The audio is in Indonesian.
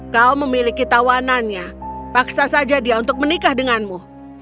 kau memiliki tawanannya paksa saja dia untuk menikah denganmu